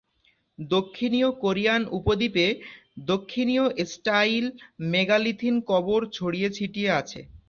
দক্ষিণীয় Korean উপদ্বীপে দক্ষিণীয় style megalithic কবর ছড়িয়ে ছিটিয়ে আছে।